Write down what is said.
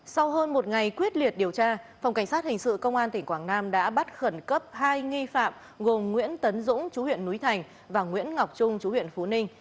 sau hơn một ngày quyết liệt điều tra phòng cảnh sát hình sự công an tỉnh quảng nam đã bắt khẩn cấp hai nghi phạm gồm nguyễn tấn dũng chú huyện núi thành và nguyễn ngọc trung chú huyện phú ninh